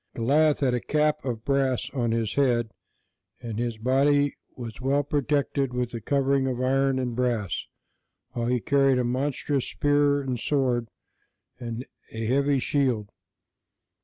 Goliath had a cap of brass on his head, and his body was well protected with a covering of iron and brass, while he carried a monstrous spear and sword, and a heavy shield.